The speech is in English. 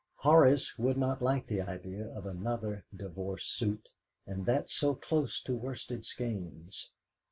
Horace would not like the idea of another divorce suit, and that so close to Worsted Skeynes.